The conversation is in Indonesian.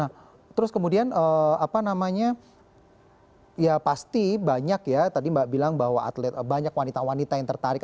nah terus kemudian apa namanya ya pasti banyak ya tadi mbak bilang bahwa atlet banyak wanita wanita yang tertarik